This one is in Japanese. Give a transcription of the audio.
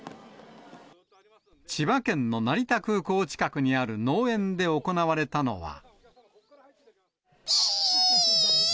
千葉県の成田空港近くにある農園で行われたのは。